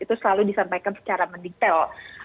itu selalu disampaikan secara mendetail